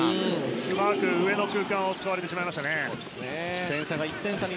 うまく上の空間を使われましたね。